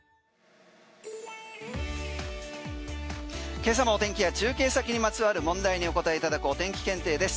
今朝の天気や中継先にまつわる問題にお答えいただくお天気検定です。